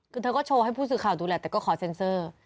คือเธอก็โชว์ให้ผู้สื่อข่าวดูแลแต่ก็ขอเซ็นเซอร์